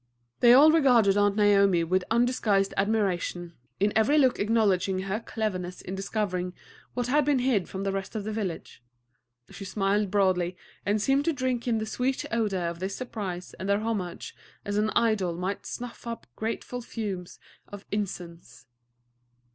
They all regarded Aunt Naomi with undisguised admiration, in every look acknowledging her cleverness in discovering what had been hid from the rest of the village. She smiled broadly, and seemed to drink in the sweet odor of this surprise and their homage as an idol might snuff up grateful fumes of incense.